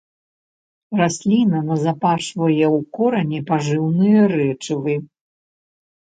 Расліна назапашвае ў корані пажыўныя рэчывы.